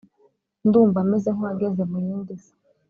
Ndumva meze nk uwageze mu yindi si